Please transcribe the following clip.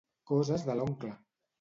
Coses de l'oncle!